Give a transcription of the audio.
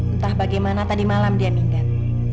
entah bagaimana tadi malam dia mindat